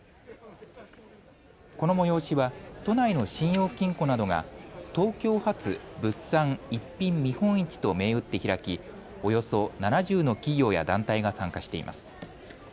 この催しは都内の信用金庫などが東京発物産・逸品見本市と銘打って開きおよそ７０の企業や団体が参加しています。